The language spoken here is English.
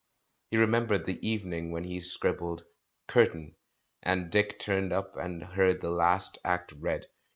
He remembered the evening when he scribbled "Curtain," and Dick turned up and heard the last act read.